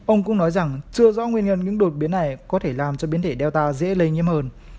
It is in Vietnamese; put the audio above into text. ông cũng nói rằng chưa rõ nguyên nhân những đột biến này có thể làm cho biến thể data dễ lây nhiễm hơn